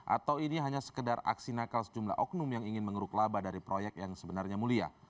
atau ini hanya sekedar aksi nakal sejumlah oknum yang ingin mengeruk laba dari proyek yang sebenarnya mulia